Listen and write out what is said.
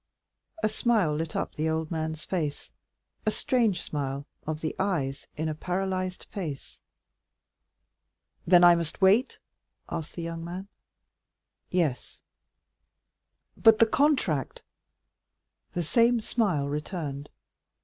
A smile lit up the old man's face, a strange smile of the eyes in a paralyzed face. "Then I must wait?" asked the young man. "Yes." "But the contract?" The same smile returned.